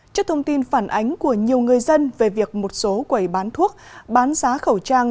trước thông tin phản ánh của nhiều người dân về việc một số quầy bán thuốc bán giá khẩu trang